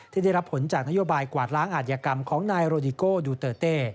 ที่ได้รับผลจากนโยบายกวาดล้างอาธิกรรมของนายโรดิโก้ดูเตอร์เต้